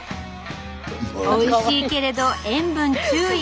おいしいけれど塩分注意。